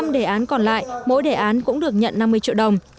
một mươi năm đề án còn lại mỗi đề án cũng được nhận năm mươi triệu đồng